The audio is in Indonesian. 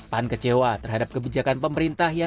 pan kecewa terhadap kebijakan pemerintah